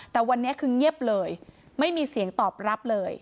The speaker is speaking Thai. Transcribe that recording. แต่วันนี้คือเงียบเลยไม่มีเสียงตอบรับเลย